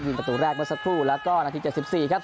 ประตูแรกเมื่อสักครู่แล้วก็นาที๗๔ครับ